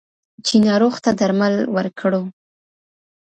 چې ناروغ ته درمل ورکړو.